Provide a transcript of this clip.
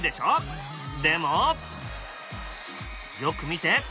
でもよく見て。